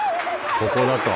ここだと。